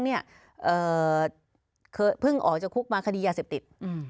เคยเพิ่งออกจากคุกมาคดียาเสพติด